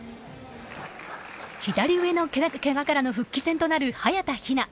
左腕のけがからの復帰戦となる早田ひな。